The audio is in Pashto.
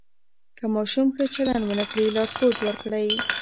که ماشوم ښه چلند ونه کړي، لارښود ورکړئ.